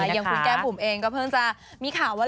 อย่างคุณแก้มบุ๋มเองก็เพิ่งจะมีข่าวว่า